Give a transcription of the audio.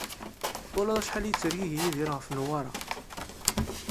Twalaḍ acḥal i yettergigi Yidir ɣef Newwara?